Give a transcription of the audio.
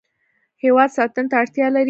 هیواد ساتنې ته اړتیا لري.